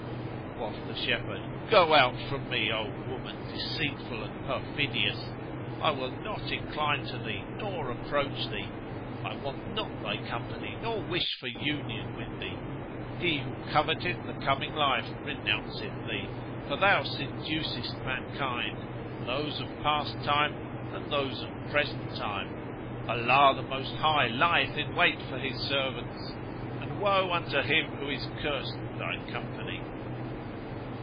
Quoth the shepherd, "Go out from me, O woman deceitful and perfidious! I will not incline to thee nor approach thee. I want not thy company nor wish for union with thee; he who coveteth the coming life renounceth thee, for thou seducest mankind, those of past time and those of present time. Allah the Most High lieth in wait for His servants and woe unto him who is cursed with thy company!"